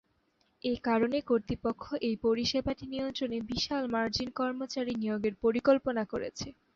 এই কারণে কর্তৃপক্ষ এই পরিষেবাটি নিয়ন্ত্রণে বিশাল মার্জিন কর্মচারী নিয়োগের পরিকল্পনা করেছে।